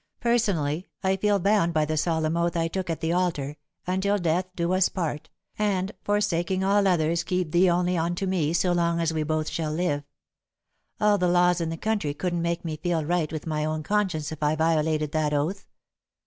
Personally, I feel bound by the solemn oath I took at the altar, 'until death do us part,' and 'forsaking all others keep thee only unto me so long as we both shall live.' All the laws in the country couldn't make me feel right with my own conscience if I violated that oath."